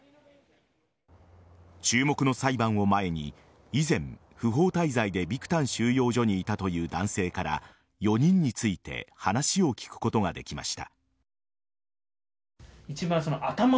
注目の裁判を前に以前、不法滞在でビクタン収容所にいたという男性から４人について話を聞くことができました。